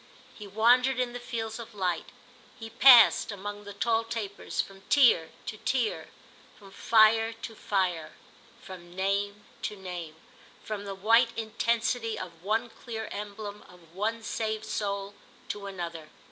He wandered in the fields of light; he passed, among the tall tapers, from tier to tier, from fire to fire, from name to name, from the white intensity of one clear emblem, of one saved soul, to another.